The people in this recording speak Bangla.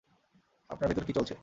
আপনার ভেতর কি চলছে?